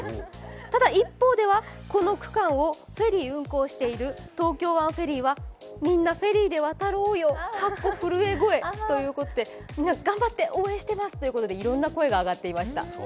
ただ、一方ではこの区間をフェリー運航している東京湾フェリーはみんなフェリーで渡ろうよということで頑張って応援していますということで、いろんな声が上っていました。